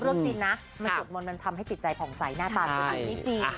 รุ่นจริงนะสวดมนต์มันทำให้จิตใจผ่องใสหน้าตาพี่พี่จีน